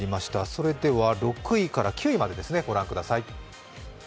それでは６位から９位までご覧ください。